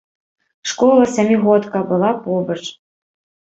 Школа, сямігодка, была побач.